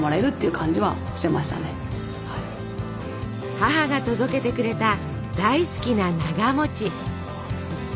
母が届けてくれた大好きななが。